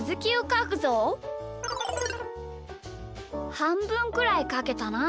はんぶんくらいかけたな。